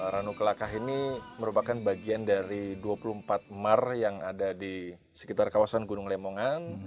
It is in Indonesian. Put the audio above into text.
ranu kelakah ini merupakan bagian dari dua puluh empat mar yang ada di sekitar kawasan gunung lemongan